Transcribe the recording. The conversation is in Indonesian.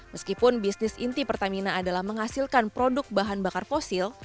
meskipun bisnis inti pertamina adalah menghasilkan produk bahan bakar fosil